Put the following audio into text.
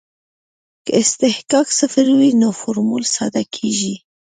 که اصطکاک صفر وي نو فورمول ساده کیږي